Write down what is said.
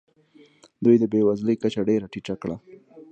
دوی د بې وزلۍ کچه ډېره ټیټه کړه.